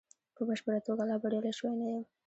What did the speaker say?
په بشپړه توګه لا بریالی شوی نه یم.